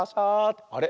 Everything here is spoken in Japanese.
あれ？